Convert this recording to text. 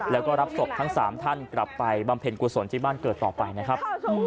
แล้วก็รับศพทั้ง๓ท่านกลับไปบำเพ็ญกุศลที่บ้านเกิดต่อไปนะครับ